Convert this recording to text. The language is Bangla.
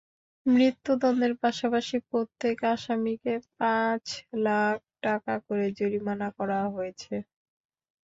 মৃত্যুদণ্ডের পাশাপাশি প্রত্যেক আসামিকে পাঁচ লাখ টাকা করে জরিমানা করা হয়েছে।